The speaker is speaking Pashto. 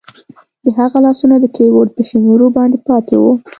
د هغه لاسونه د کیبورډ په شمیرو باندې پاتې وو